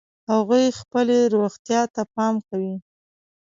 هغوی خپلې روغتیا ته پام کوي